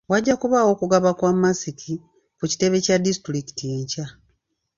Wajja kubaawo okugaba kwa masiki ku kitebe kya disitulikiti enkya.